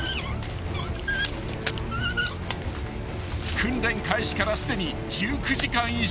［訓練開始からすでに１９時間以上］